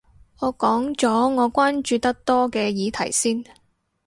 我講咗我關注得多嘅議題先